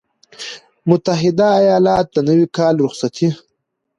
متحده ایالات - د نوي کال رخصتي